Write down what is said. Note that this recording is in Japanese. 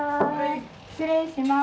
失礼します。